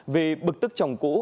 vì bực tức chồng cũ